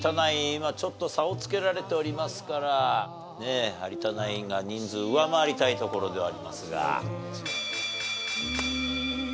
今ちょっと差をつけられておりますから有田ナインが人数上回りたいところではありますが。